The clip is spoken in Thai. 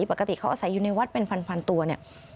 ปกติเขาอาศัยอยู่ในวัดเป็นพันตัวเนี่ย